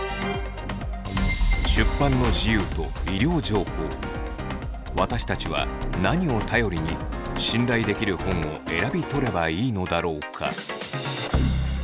長く培ってきた私たちは何を頼りに信頼できる本を選び取ればいいのだろうか。